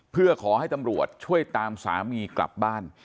เพื่อขอให้ตำรวจช่วยตามสามีกลับบ้าน